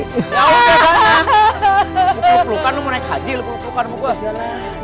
kau pelukan mau naik haji kau pelukan sama saya